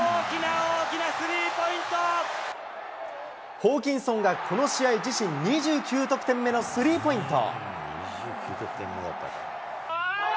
ホーキンソンがこの試合自身、２９得点目のスリーポイント。